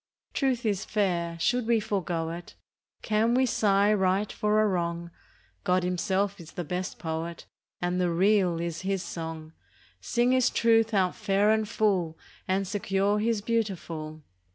Truth is fair; should we forego it? Can we sigh right for a wrong ? God Himself is the best Poet, And the Real is His song. Sing His Truth out fair and full, And secure His beautiful.